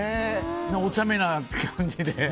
おちゃめな感じで。